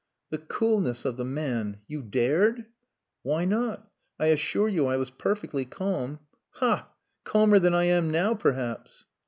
"The coolness of the man! You dared?" "Why not? I assure you I was perfectly calm. Ha! Calmer than I am now perhaps."